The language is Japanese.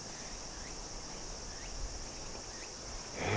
え？